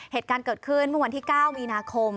เหตุการณ์เกิดขึ้นเมื่อวันที่๙มีนาคม